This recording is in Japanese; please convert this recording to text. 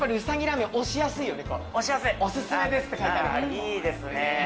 いいですねぇ。